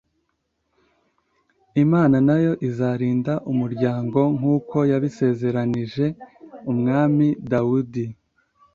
Imana nayo izarinda umuryango nk‟uko yabisezeranyije umwami Dawudi